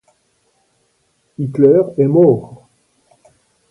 Hitler est mort.